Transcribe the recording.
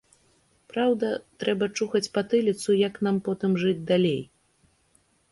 Праўда, трэба чухаць патыліцу, як нам потым жыць далей.